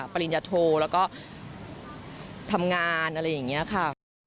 ปริญญาโทแล้วก็ทำงานอะไรอย่างนี้ค่ะ